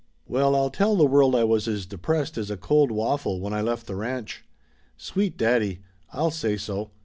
325 326 Laughter Limited Well, I'll tell the world I was as depressed as a cold waffle when I left the ranch. Sweet daddy! I'll say so